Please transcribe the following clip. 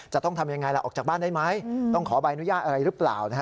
จะต้องทำยังไงล่ะออกจากบ้านได้ไหมต้องขอใบอนุญาตอะไรหรือเปล่า